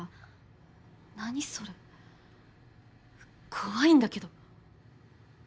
怖いんだけど。